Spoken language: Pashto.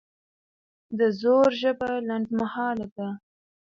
د زور ژبه لنډمهاله ده